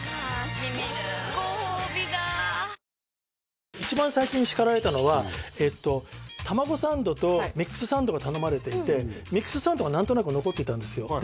しみるごほうびだ一番最近叱られたのはえっと卵サンドとミックスサンドが頼まれていてミックスサンドが何となく残っていたんですよで